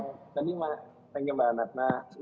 tadi pak terima kasih mbak anad